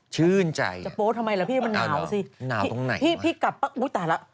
ชื่นใจอะเอาเหรอมันหนาวตรงไหนวะพี่กลับป๊ะอุ๊ยตายแล้ว